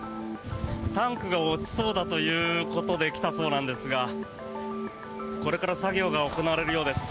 タンクが落ちそうだということで来たそうなんですがこれから作業が行われるようです。